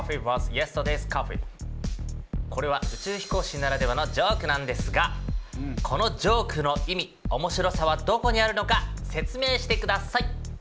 これは宇宙飛行士ならではのジョークなんですがこのジョークの意味・面白さはどこにあるのか説明してください。